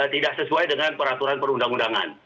tidak sesuai dengan peraturan perundang undangan